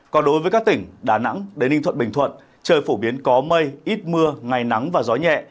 còn đối với các tỉnh đà nẵng đến ninh thuận bình thuận trời phổ biến có mây ít mưa ngày nắng và gió nhẹ